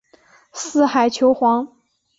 四海求凰。